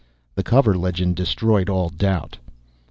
The cover legend destroyed all doubt.